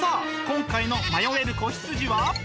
今回の迷える子羊は。